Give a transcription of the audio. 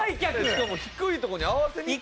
しかも低いとこに合わせにいった。